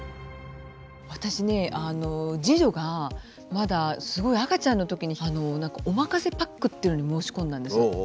私ね次女がまだすごい赤ちゃんのときに何かおまかせパックっていうのに申し込んだんです。